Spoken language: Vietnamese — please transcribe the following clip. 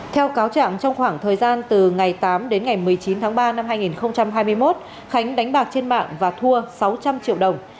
theo cáo trạng trong khoảng thời gian từ ngày tám đến ngày một mươi chín tháng ba năm hai nghìn hai mươi một khánh đánh bạc trên mạng và thua sáu trăm linh triệu đồng